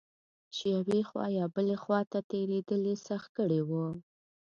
چې یوې خوا یا بلې خوا ته تېرېدل یې سخت کړي و.